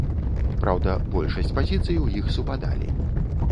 Праўда, большасць пазіцый у іх супадалі.